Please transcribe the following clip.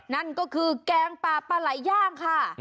นั่นก็คือแกงปลาปลาไหลย่างค่ะ